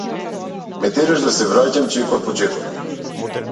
Ме тераш да се враќам чекор по чекор.